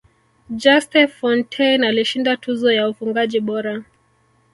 juste fontaine alishinda tuzo ya ufungaji bora